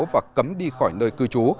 và cấm đi khỏi nơi cư trú